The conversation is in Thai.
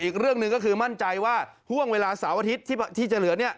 อีกเรื่องหนึ่งก็คือมั่นใจว่าห่วงเวลาเสาร์อาทิตย์ที่จะเหลือเนี่ย